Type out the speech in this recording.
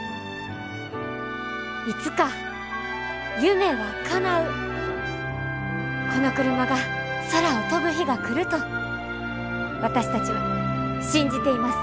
いつか夢はかなうこのクルマが空を飛ぶ日が来ると私たちは信じています。